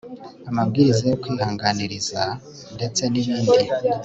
amabwiriza yo kwihanangiriza ndetse n ibindi